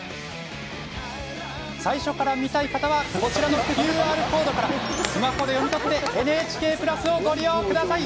最初から見たい方はこちらのＱＲコードからスマホで読み取ってＮＨＫプラスをご利用ください。